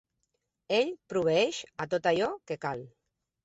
Ell proveeix a tot allò que cal.